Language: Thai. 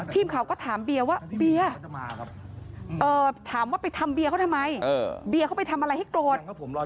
ทีมข่าวก็ถามเบียร์ว่าเบียร์ถามว่าไปทำเบียร์เขาทำไมเบียร์เขาไปทำอะไรให้โกรธ